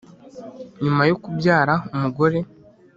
. Nyuma yo kubyara umugore